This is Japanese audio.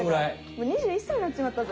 もう２１歳になっちまったぜ。